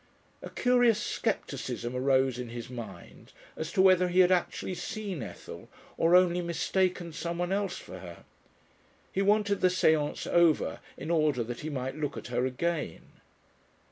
A curious scepticism arose in his mind as to whether he had actually seen Ethel or only mistaken someone else for her. He wanted the séance over in order that he might look at her again.